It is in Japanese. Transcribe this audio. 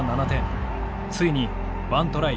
ついに１トライ